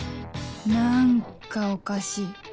何かおかしい